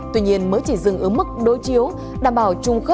tuy nhiên mới chỉ dừng ở mức đối chiếu đảm bảo trung khớp